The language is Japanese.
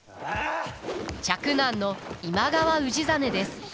嫡男の今川氏真です。